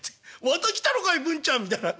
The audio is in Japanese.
また来たのかいぶんちゃんみたいな。